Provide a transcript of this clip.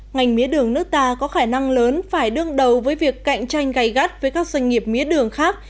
ngành mía đường nước ta có khả năng lớn phải đương đầu với việc cạnh tranh gây gắt với các doanh nghiệp mía đường khác